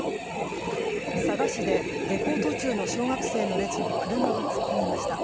佐賀市で下校途中の小学生の列に車が突っ込みました。